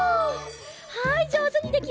はいじょうずにできました！